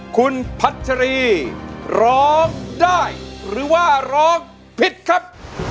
คุณพัชรีร้องได้หรือว่าร้องผิดครับ